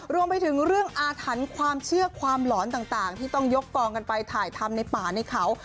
รวมไปถึงเรื่องอาถรรพ์ความเชื่อความหลอนต่างที่ต้องยกกองกันไปถ่ายทำในป่าในเขา